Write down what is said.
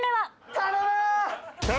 頼む！